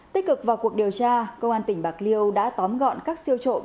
tích cực vào cuộc điều tra công an tỉnh bạc liêu đã tóm gọn các siêu trộm